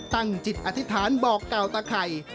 ตั้งจิตอธิษฐานบอกเก่าตะไข่